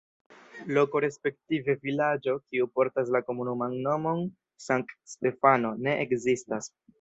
Loko respektive vilaĝo, kiu portas la komunuman nomon Sankt-Stefano, ne ekzistas.